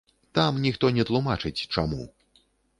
Там ніхто не тлумачыць, чаму.